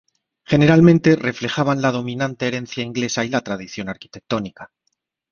Generalmente reflejaban la dominante herencia inglesa y la tradición arquitectónica.